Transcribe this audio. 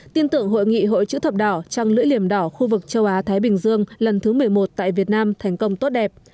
tin tưởng hội nghị hội chữ thập đỏ trăng lưỡi liềm đỏ khu vực châu á thái bình dương lần thứ một mươi một tại việt nam thành công tốt đẹp